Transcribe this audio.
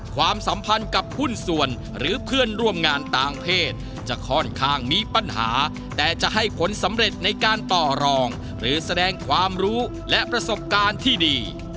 ความสัมพันธ์กับหุ้นส่วนหรือเพื่อนร่วมงานต่างเพศจะค่อนข้างมีปัญหาแต่จะให้ผลสำเร็จในการต่อรองหรือแสดงความรู้และประสบการณ์ที่ดี